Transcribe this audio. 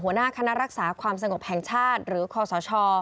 หัวหน้าคณะรักษาความสงบแห่งชาติหรือคอสช